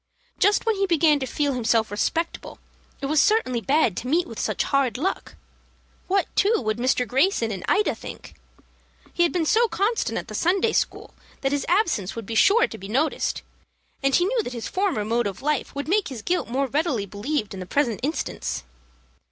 Just when he began to feel himself respectable, it was certainly bad to meet with such hard luck. What, too, would Mr. Greyson and Ida think? He had been so constant at the Sunday school that his absence would be sure to be noticed, and he knew that his former mode of life would make his guilt more readily believed in the present instance.